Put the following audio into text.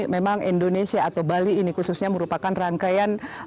memang indonesia atau bali ini khususnya merupakan rangkaian